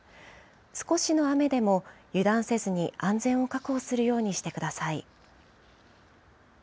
少しの雨でも油断せずに、安全を確保するようにしてください。